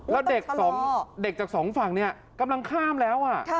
แล้วเด็กสองเด็กจากสองฝั่งเนี่ยกำลังข้ามแล้วอ่ะ